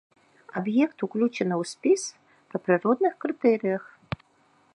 Аб'ект уключаны ў спіс па прыродных крытэрыях.